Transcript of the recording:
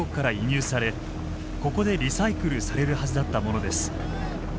ここでリサイクルされるはずだったものです。